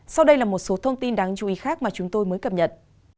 sau đây là một số thông tin đáng chú ý khác mà chúng tôi mới cập nhật